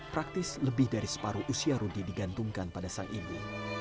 praktis lebih dari separuh usia rudy digantungkan pada sang ibu